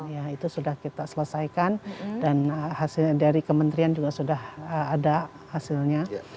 ya itu sudah kita selesaikan dan hasilnya dari kementerian juga sudah ada hasilnya